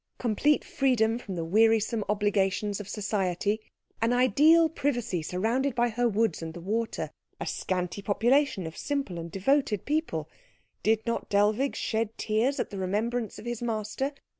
Complete freedom from the wearisome obligations of society, an ideal privacy surrounded by her woods and the water, a scanty population of simple and devoted people did not Dellwig shed tears at the remembrance of his master?